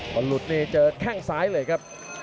หลุดอยู่ในเจนที่แข่งสายเลยครับ